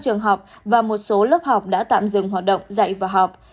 trường học và một số lớp học đã tạm dừng hoạt động dạy và học